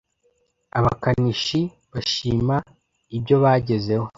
abakanishi bashima ibyobagezeho.